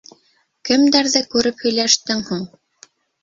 Кемдәрҙе күреп һөйләштең һуң?